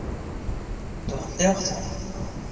Doch it ljocht oan.